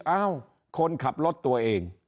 เอ้าคนขับรถตัวเอง